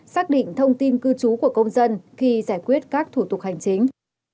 xác định thông tin cư trú của công dân khi giải quyết các thủ tục hành chính